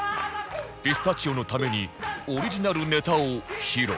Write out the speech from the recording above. ピスタチオのためにオリジナルネタを披露